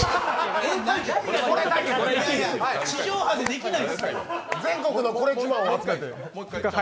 地上波でできないですよ。